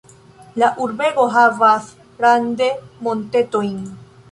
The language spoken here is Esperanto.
La urbego havas rande montetojn.